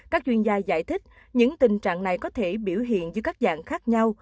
các chuyên gia giải thích những tình trạng này có thể biểu hiện dưới các dạng khác nhau